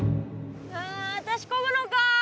はあ私こぐのか！